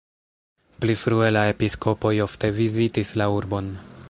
Pli frue la episkopoj ofte vizitis la urbon.